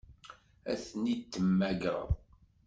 Ad ten-id-temmagreḍ?